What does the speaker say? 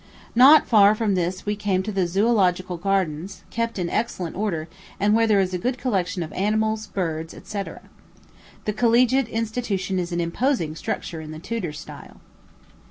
Not far from this we came to the Zoölogical Gardens, kept in excellent order, and where is a good collection of animals, birds, &c. The Collegiate Institution is an imposing structure in the Tudor style.